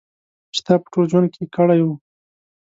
چې تا په ټول ژوند کې کړی و.